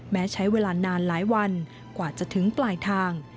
ใช้เวลานานหลายวันกว่าจะถึงปลายทาง